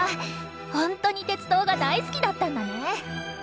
ほんとに鉄道が大好きだったんだね。